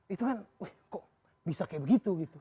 itu kan kok bisa kayak begitu gitu